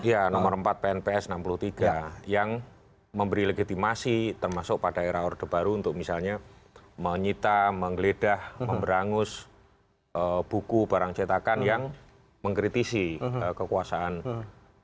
ya nomor empat pnps enam puluh tiga yang memberi legitimasi termasuk pada era orde baru untuk misalnya menyita menggeledah memberangus buku barang cetakan yang mengkritisi kekuasaan